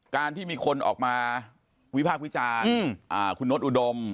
การที่มีคนออกมาวิพากษ์วิจารณ์คุณโน๊ตอุดม